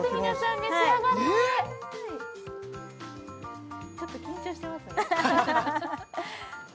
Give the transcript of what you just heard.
召し上がれちょっと緊張してますね